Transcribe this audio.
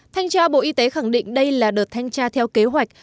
thanh tra bộ y tế khẳng định đây là đợt thanh tra theo kế hoạch